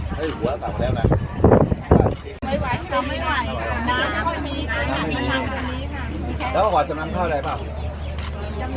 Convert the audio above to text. ทำงานแล้วจะมีเงินรัฐบาลจะมีเงินมาดูแล